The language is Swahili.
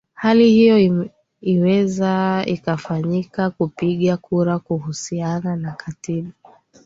hali hiyo iweze ikafanyika kupiga kura kuhusiana na katiba